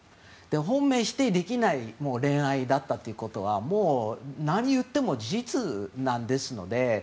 本命否定できない恋愛だったということはもう何を言っても事実ですので。